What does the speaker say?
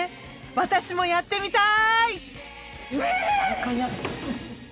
私もやってみたい！